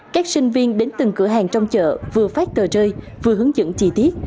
các sinh viên đến từng cửa hàng trong chợ vừa phát tờ rơi vừa hướng dẫn chi tiết